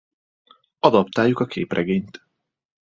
Adaptáljuk a képregényt.